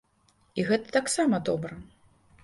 І гэта таксама добра.